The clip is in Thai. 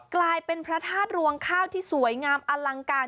กลายเป็นพระธาตุรวงข้าวที่สวยงามอลังการ